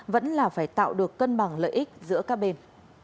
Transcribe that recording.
vẫn là phải tạo được cân bằng lợi ích giữa các bên